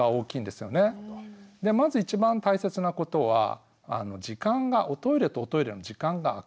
でまず一番大切なことは時間がおトイレとおトイレの時間があく。